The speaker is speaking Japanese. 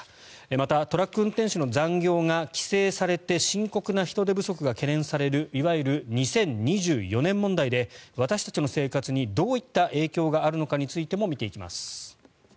また、トラック運転手の残業が規制されて深刻な人手不足が懸念されるいわゆる２０２４年問題で私たちの生活にどういった影響があるのかについても見ていきます。